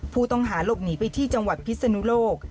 ผู้ต้องหาหลบหนีไปที่จังหวัดพิศนุโลก